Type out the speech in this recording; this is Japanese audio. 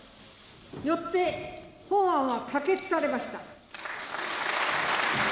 よって本案は可決されました。